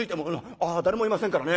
あっ誰もいませんからね。